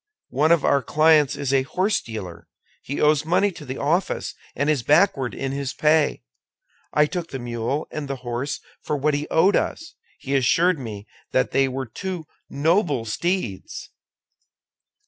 One of our clients is a horsedealer; he owes money to the office, and is backward in his pay. I took the mule and the horse for what he owed us; he assured me that they were two noble steeds."